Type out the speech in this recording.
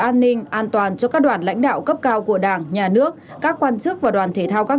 an ninh an toàn cho các đoàn lãnh đạo cấp cao của đảng nhà nước các quan chức và đoàn thể thao các